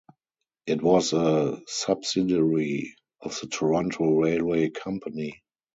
It was a subsidiary of the Toronto Railway Company.